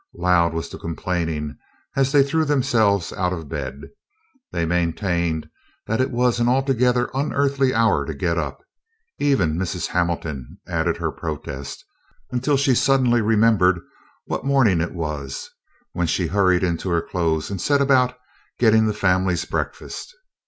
Loud was the complaining as they threw themselves out of bed. They maintained that it was an altogether unearthly hour to get up. Even Mrs. Hamilton added her protest, until she suddenly remembered what morning it was, when she hurried into her clothes and set about getting the family's breakfast.